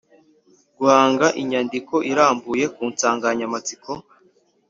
Guhanga imyandiko irambuye ku nsanganyamatsiko